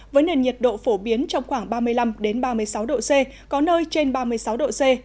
với nền nhiệt độ phổ biến trong khoảng ba mươi năm ba mươi sáu độ c có nơi trên ba mươi sáu độ c